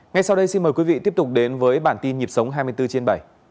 ngay sau đây xin mời quý vị tiếp tục đến với bản tin nhịp sống hai mươi bốn trên bảy